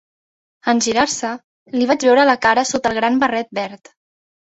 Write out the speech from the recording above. En girar-se, li vaig veure la cara sota el gran barret verd.